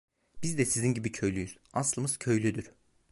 Biz de sizin gibi köylüyüz, aslımız köylüdür.